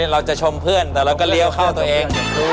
เราจะชมเพื่อนแต่เราก็เลี้ยวเข้าตัวเอง